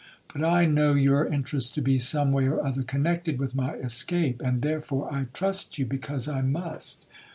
But I know your interests to be some way or other connected with my escape, and therefore I trust you,—because I must.